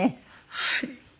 はい。